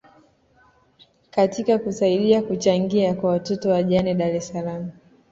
katika kusaidia kuchangia kwa watoto wajane dar es Salaam